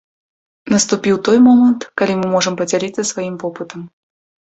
Наступіў той момант, калі мы можам падзяліцца сваім вопытам.